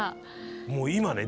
もう今ね